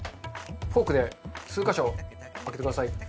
フォークで数カ所開けてください。